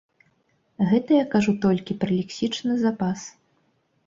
Гэта я кажу толькі пра лексічны запас.